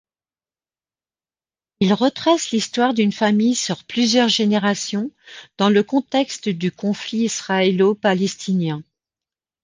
Il retrace l’histoire d’une famille sur plusieurs générations, dans le contexte du conflit israélo-palestinien.